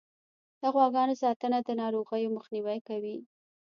د غواګانو ساتنه د ناروغیو مخنیوی کوي.